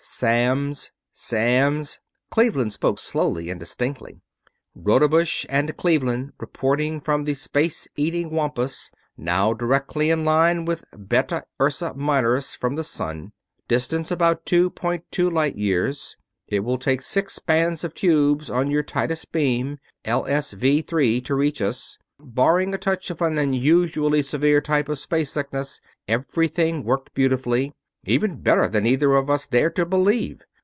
"Samms ... Samms." Cleveland spoke slowly and distinctly. "Rodebush and Cleveland reporting from the 'Space Eating Wampus', now directly in line with Beta Ursae Minoris from the sun, distance about two point two light years. It will take six bands of tubes on your tightest beam, LSV3, to reach us. Barring a touch of an unusually severe type of space sickness, everything worked beautifully; even better than either of us dared to believe.